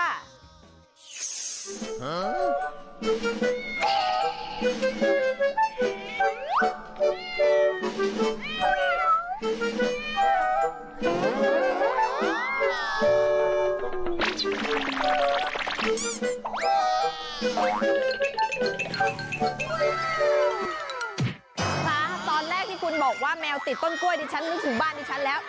คะตอนแรกที่คุณบอกว่าแมวติดต้นกล้วยดิฉันนึกถึงบ้านดิฉันแล้ว